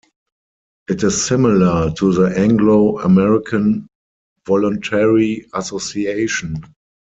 It is similar to the Anglo-American voluntary association.